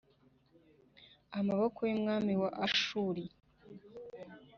amaboko y umwami wa Ashuri